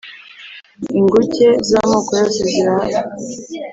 inguge z'amoko yose zirahari